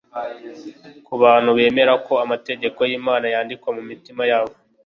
Ku bantu bemera ko amategeko y'Imana yandikwa mu mitima yabo,